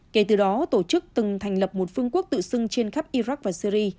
kể từ đó tổ chức từng thành lập một phương quốc tự xưng trên khắp iraq và syri